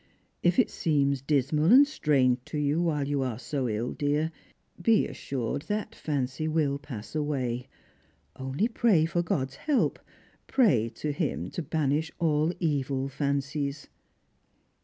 If it seems dismal and strange to you Avhile you are so ill, dear, be assured that fancy will pass away. Only pray for God's hel^^, pray to Him to banish all evil fancies."